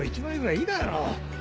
１枚ぐらいいいだろう。